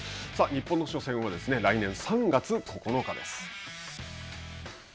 日本の初戦は、来年３月９日です。